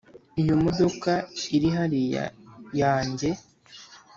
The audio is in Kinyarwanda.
iyo modoka iri hariya yanjye.